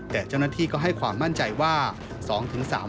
แต่เจ้าหน้าที่ก็ให้ความมั่นใจว่า